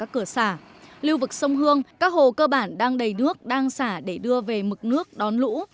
cửa xả lưu vực sông hương các hồ cơ bản đang đầy nước đang xả để đưa về mực nước đón lũ